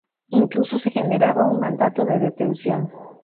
Incluso se generaba un mandato de detención.